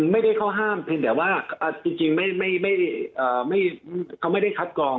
ไม่ได้เข้าห้ามเพียงแต่ว่าจริงเขาไม่ได้คัดกอง